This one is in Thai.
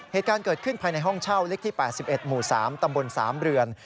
เหตุการณ์เกิดขึ้นภายในห้องเช่าเล็กที่๘๑หมู่๓ตำบล๓เรือน